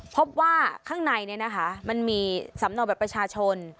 พบว่าข้างในเนี่ยนะคะมันมีสำนักแบบประชาชน